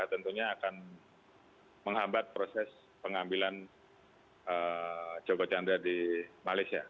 tentunya akan menghambat proses pengambilan joko chandra di malaysia